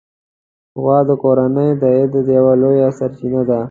غوا د کورنۍ د عاید یوه لویه سرچینه ده.